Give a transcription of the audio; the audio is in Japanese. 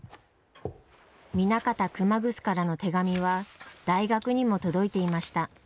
南方熊楠からの手紙は大学にも届いていました。